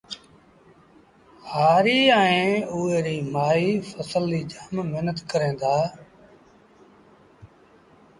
هآريٚ ائيٚݩ اُئي ريٚ مآئيٚ ڦسل ريٚ جآم مهنت ڪريݩ دآ